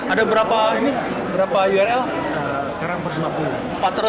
ada berapa ini berapa url